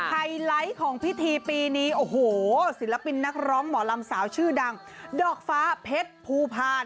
ไฮไลท์ของพิธีปีนี้โอ้โหศิลปินนักร้องหมอลำสาวชื่อดังดอกฟ้าเพชรภูพาล